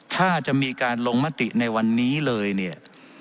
ถ้าจะมีการลงมติในวันนี้เลยเนี่ย